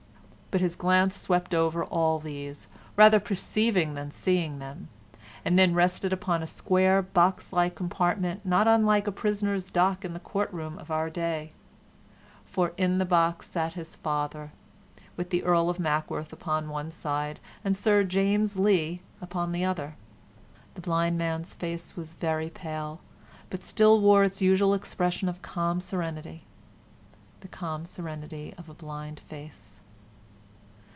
But his glance swept over all these, rather perceiving than seeing them, and then rested upon a square box like compartment not unlike a prisoner's dock in the courtroom of our day, for in the box sat his father, with the Earl of Mackworth upon one side and Sir James Lee upon the other. The blind man's face was very pale, but still wore its usual expression of calm serenity the calm serenity of a blind face.